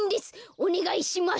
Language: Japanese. おねがいします。